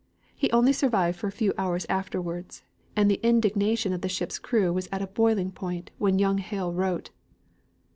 He only survived for a few hours afterwards, and the indignation of the ship's crew was at boiling point when young Hale wrote.